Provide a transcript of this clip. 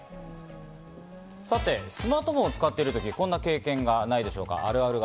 さてスマートフォンを使ってると、こんな経験ないでしょうか？